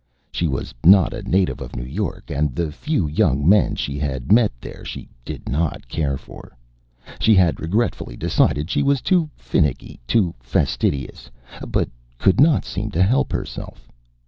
She was not a native of New York, and the few young men she had met there she did not care for. She had regretfully decided she was too finicky, too fastidious, but could not seem to help herself.